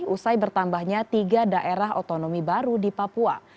usai bertambahnya tiga daerah otonomi baru di papua